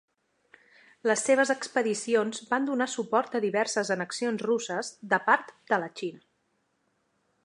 Les seves expedicions van donar suport a diverses annexions russes de parts de la Xina.